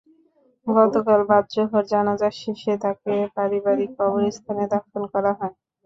গতকাল বাদ জোহর জানাজা শেষে তাঁকে পারিবারিক কবরস্থানে দাফন করা হয়।